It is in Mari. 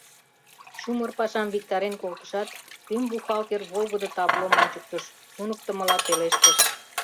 Чумыр пашам виктарен колтышат, тӱҥ бухгалтер волгыдо таблом ончыктыш, туныктымыла пелештыш: